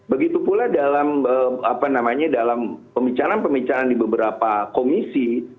begitu pula dalam apa namanya dalam pembicaraan pembicaraan di beberapa komisi